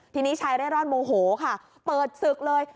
ทีนี้ชายเร่ร่อนโมโหค่ะเปิดศึกเลย